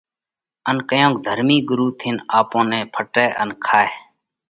ان ڪيونڪ ڌرمِي ڳرُو ٿينَ آپون نئہ ڦٽئه ان کائه۔